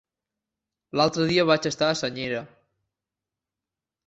L'altre dia vaig estar a Senyera.